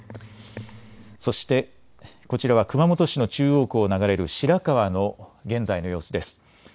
そしてこちらは熊本市の中央区を流れる白川の現在の様子です。